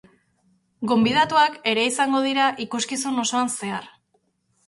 Gonbidatuak ere izango dira ikuskizun osoan zehar.